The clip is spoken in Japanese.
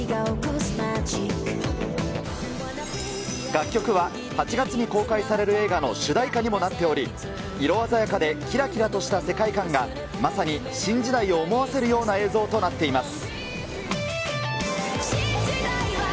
楽曲は８月に公開される映画の主題歌にもなっており、色鮮やかできらきらとした世界観が、まさに新時代を思わせるような映像となっています。